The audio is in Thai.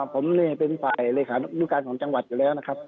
ผมเป็นฝ่ายเลขานุการของจังหวัดอยู่แล้วนะครับ